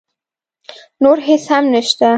نور هېڅ هم نه شته.